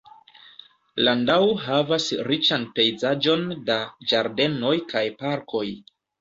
Landau havas riĉan pejzaĝon da ĝardenoj kaj parkoj.